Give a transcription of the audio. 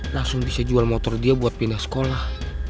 langsung bisa jual motor dia buat pindah sekolah